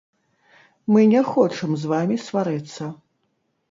Мы не хочам з вамі сварыцца.